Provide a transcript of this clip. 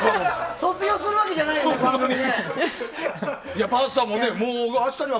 卒業するわけじゃないよね番組をね。